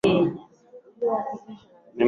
Nimechocka kuandika